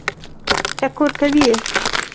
ټکور کوي یې.